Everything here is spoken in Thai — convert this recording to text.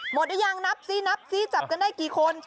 หมดหรือยังนับสิจับกันได้กี่คน